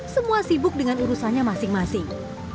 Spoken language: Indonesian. semua sibuk dengan urusannya masing masing